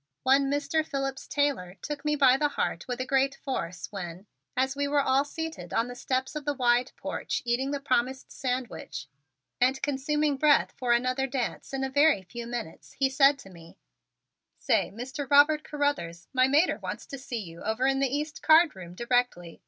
One Mr. Phillips Taylor took me by my heart with a great force when, as we were all seated on the steps of the wide porch eating the promised sandwich and consuming breath for another dance in a very few minutes, he said to me: "Say, Mr. Robert Carruthers, my mater wants to see you over in the east card room directly.